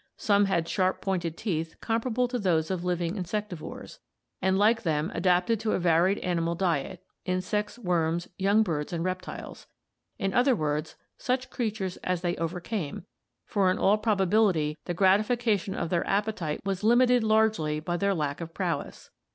Some had sharp pointed teeth comparable to those of living insectivores (see Fig. 174), and like them adapted to a varied animal diet — insects, worms, young birds, and reptiles — in other words, such creatures as they overcame, for in all probabil ity the gratification of their appetite was limited largely by their lack of prowess.